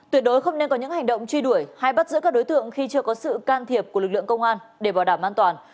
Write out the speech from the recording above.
tuyệt đối không nên có những hành động truy đuổi hay bắt giữ các đối tượng khi chưa có sự can thiệp của lực lượng công an để bảo đảm an toàn